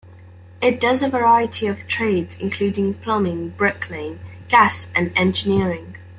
It does a variety of trades, including plumbing, brick laying, gas and engineering.